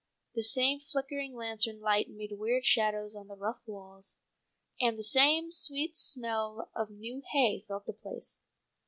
The same flickering lantern light made weird shadows on the rough walls, and the same sweet smell of new hay filled the place.